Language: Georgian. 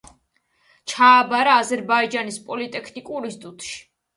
ჩააბარა აზერბაიჯანის პოლიტექნიკურ ინსტიტუტში.